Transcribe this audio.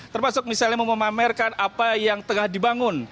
termasuk misalnya memamerkan apa yang tengah dibangun